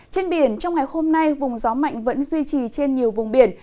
trên biển trong ngày hôm nay vùng gió mạnh vẫn duy trì trên nhiều vùng biển